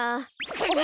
先生！